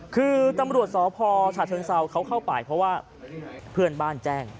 คือตำรวจสพฉเชิงเซาเขาเข้าไปเพราะว่าเพื่อนบ้านแจ้ง